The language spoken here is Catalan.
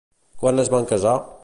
Quan es van casar?